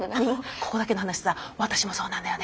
ここだけの話さ私もそうなんだよね。